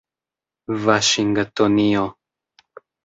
vaŝingtonio